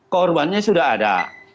korbannya sudah ada